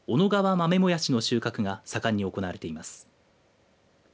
豆もやしの収穫が盛んに行われています。